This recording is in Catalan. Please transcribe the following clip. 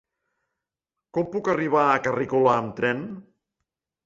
Com puc arribar a Carrícola amb tren?